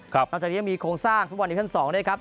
นอกจากนี้มีโครงสร้างฝุ่มบอลดีวิชัน๒ด้วยครับ